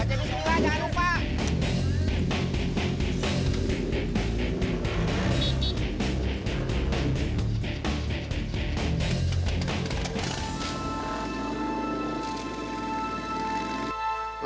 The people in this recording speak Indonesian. baca gini dulu lah jangan lupa